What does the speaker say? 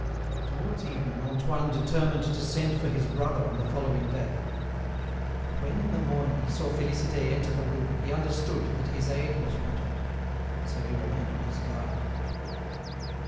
Towards evening Antoine determined to send for his brother on the following day. But when, in the morning, he saw Félicité enter the room he understood that his aid was wanted, so he remained on his guard.